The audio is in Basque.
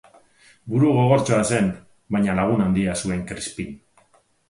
Burugogortxoa zen, baina lagun handia zuen Krispin.